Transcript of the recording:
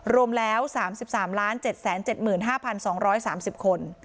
รวมแล้ว๓๓๗๗๕๒๓๐คน